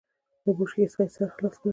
له بوشکې څخه يې سر خلاص کړ.